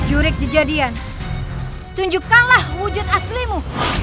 jurik jejadian tunjukkanlah wujud aslimu